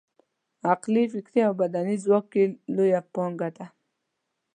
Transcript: عقلي، فکري او بدني ځواک یې لویه پانګه ده.